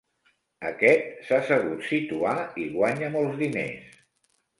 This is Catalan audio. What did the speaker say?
Aquest s'ha sabut situar, i guanya molts diners.